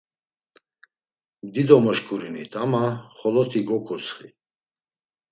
Dido moşǩurinit, ama xoloti goǩutsxi.